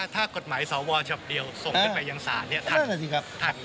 ถ้ากฎหมายสอวเฉียบเดียวส่งขึ้นไปอย่างสารเนี่ยทัน